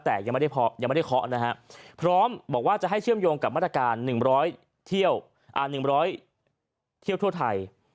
แต่ยังไม่ได้เคาะนะฮะพร้อมบอกว่าจะให้เชื่อมโยงกับมาตรการ๑๐๐เที่ยว๑๐๐เที่ยวทั่วไทย